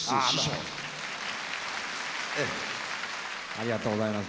ありがとうございます。